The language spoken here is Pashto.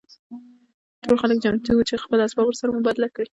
ټول خلک چمتو وو چې خپل اسباب ورسره مبادله کړي